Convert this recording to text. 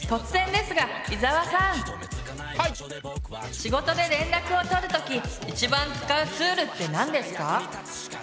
仕事で連絡を取る時一番使うツールって何ですか？